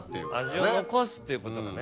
味を残すっていうことがね。